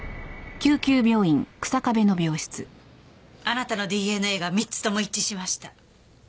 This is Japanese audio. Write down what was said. あなたのＤＮＡが３つとも一致しました。